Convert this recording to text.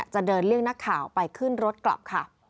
จะเดินเรื่องนักข่าวไปขึ้นรถกลับค่ะ